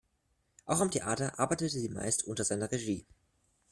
Auch am Theater arbeitete sie meist unter seiner Regie.